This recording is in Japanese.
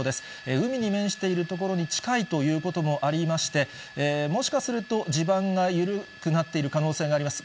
海に面している所に近いということもありまして、もしかすると、地盤が緩くなっている可能性があります。